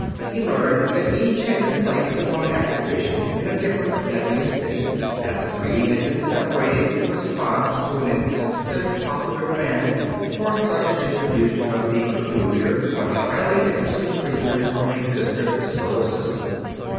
He learned that each had been placed upon exhibition in a different Nevian city; that the three had been separated in response to an insistent popular demand for such a distribution of the peculiar, but highly interesting creatures from a distant solar system.